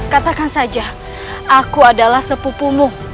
katakan saja aku adalah sepupumu